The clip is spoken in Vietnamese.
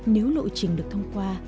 nếu lộ trình được thông qua